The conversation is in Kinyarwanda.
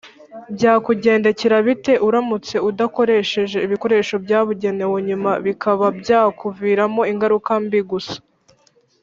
Byakugendekera bite uramutse udakoresheje ibikoresho byabugenewe, nyuma bikaba byakuviramo ingaruka mbi gusa.